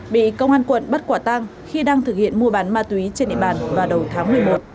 bị công an quận bắt quả tang khi đang thực hiện mua bán ma túy trên địa bàn vào đầu tháng một mươi một